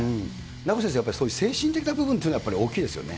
名越先生、やっぱりそういう精神的な部分というのはやっぱり大きいですよね。